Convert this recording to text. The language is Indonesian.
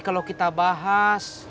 kalau kita bahas